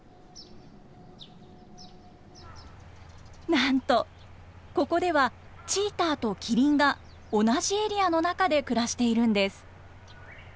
なんとここではチーターとキリンが同じエリアの中で暮らしているんです。